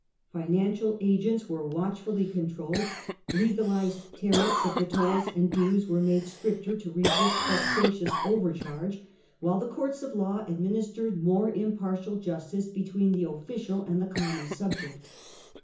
Fi nancial agents were watchfully controlled ; legalized tariffs of the tolls and dues were made stricter to resist vexa The State of Trade. 197 tious overcharge, while the courts of law administered more impartial justice between the official and the common subject.